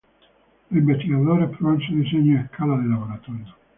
Los investigadores prueban su diseño a escala de laboratorio.